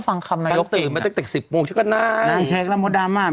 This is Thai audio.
ฟังตื่นไปตั้งแต่๑๐โมงชั้นก็น่า